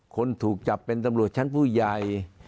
คนถูกจับเป็นตำรวจชั้นผู้ใหญ่